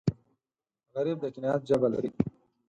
غریب د قناعت ژبه لري